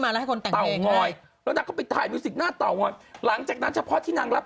ไม่ใช่นางไปขอตอนนั้นนางก็ไม่ได้ดังและ